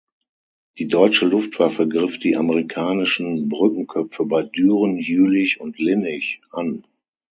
Die deutsche Luftwaffe griff die amerikanischen Brückenköpfe bei Düren, Jülich und Linnich an.